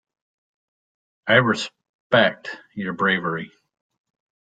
I respect your bravery.